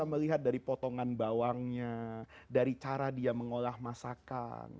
melihat dari potongan bawangnya dari cara dia mengolah masakan